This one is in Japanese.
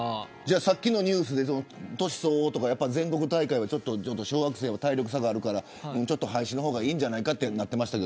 さっきのニュースの年相応とか全国大会は小学生は体力差があるから廃止の方がいいんじゃないかということでしたが。